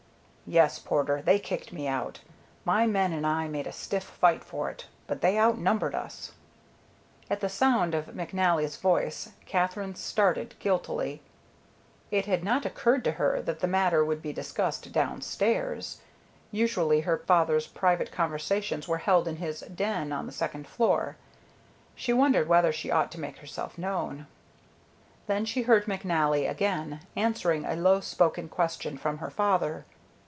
"Yes, Porter, they kicked me out. My men and I made a stiff fight for it, but they outnumbered us." At the sound of McNally's voice Katherine started guiltily. It had not occurred to her that the matter would be discussed downstairs; usually her father's private conversations were held in his den on the second floor. She wondered whether she ought to make herself known. Then she heard McNally again, answering a low spoken question from her father.